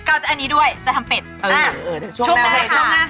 ก้าวจะอันนี้ด้วยจะทำเป็ดเออช่วงหน้าค่ะช่วงหน้าค่ะ